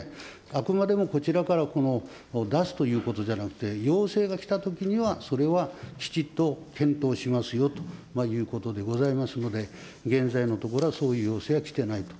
あくまでもこちらから出すということじゃなくて、要請が来たときには、それはきちっと検討しますよということでございますので、現在のところは、そういう要請は来てないと。